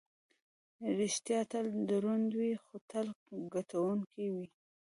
ریښتیا تل دروند وي، خو تل ګټونکی وي.